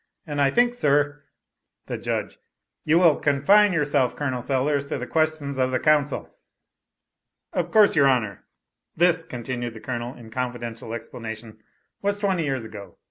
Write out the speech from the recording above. And I think, sir" The Judge. "You will confine yourself, Col. Sellers to the questions of the counsel." "Of course, your honor. This," continued the Colonel in confidential explanation, "was twenty years ago.